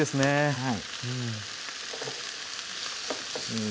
はい。